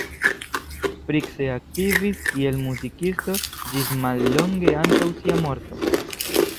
Price aktivis kiel muzikisto ĝis mallonge antaŭ sia morto.